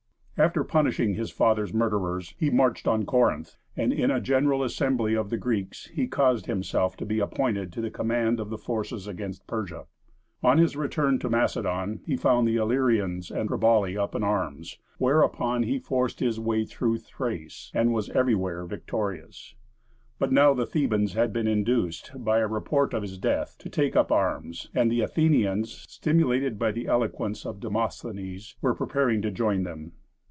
After punishing his father's murderers, he marched on Corinth, and in a general assembly of the Greeks he caused himself to be appointed to the command of the forces against Persia. On his return to Macedon, he found the Illyrians and Triballi up in arms, whereupon he forced his way through Thrace, and was everywhere victorious. But now the Thebans had been induced, by a report of his death, to take up arms, and the Athenians, stimulated by the eloquence of Demosthenes, were preparing to join them.